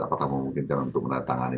apakah mungkin tidak untuk menandatangani